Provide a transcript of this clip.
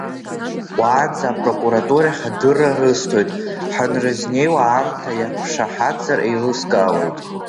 Уаанӡа апрокуратурахь адырра рысҭоит, ҳанрызнеиуа аамҭа иақәшаҳаҭзар еилыскаауеит.